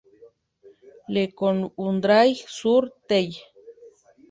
Le Coudray-sur-Thelle